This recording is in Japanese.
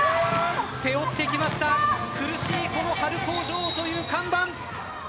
背負ってきました苦しいこの春高女王という看板。